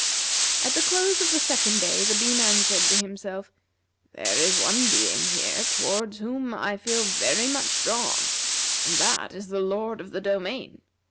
At the close of the second day, the Bee man said to himself: "There is one being here toward whom I feel very much drawn, and that is the Lord of the Domain.